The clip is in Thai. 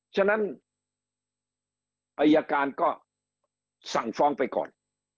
ฉะนั้นอายการก็สั่งฟ้องไปก่อน